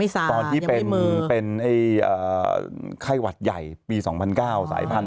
ตอนที่เป็นไข้หวัดใหญ่ปี๒๐๐๙สายพันธุ